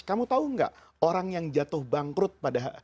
kamu tahu nggak orang yang jatuh bangkrut pada